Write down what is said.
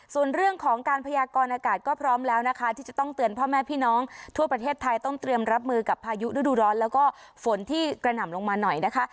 ส่วนเรื่องของการพยากรอากาศก็พร้อมแล้วนะคะที่จะต้องเตือนพ่อแม่พี่น้องทั่วประเทศไทยต้องเตรียมรับมือกับพายุฤดูร้อนแล้วก็ฝนที่กระหน่ำลงมาหน่อยนะคะ